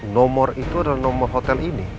nomor itu adalah nomor hotel ini